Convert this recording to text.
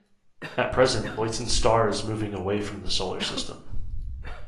At present, Luyten's Star is moving away from the Solar System.